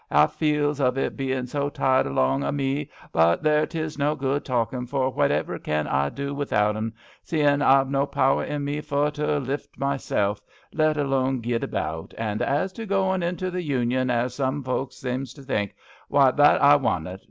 'A feels of it, bein' so tied along o' me ; but there, 'tis no good talkin', for whativer can I do wi'out un, seein* I've no power in me fur to left myself, let alone git about; and as to goin' into the Union as zum folks zems to think, why that I wannat.